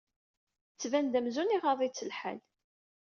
Tettban-d amzun iɣaḍ-itt lḥal.